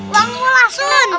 uangmu lah sun